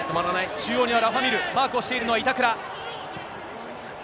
中央にはラファ・ミール、マークをしているのは板倉。